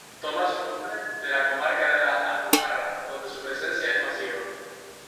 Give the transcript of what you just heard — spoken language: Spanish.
Toma su nombre de la comarca de La Alpujarra, donde su presencia es masiva.